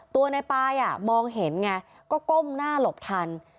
ตัวในปายมองเห็นไงก็ก้มหน้าหลบทัน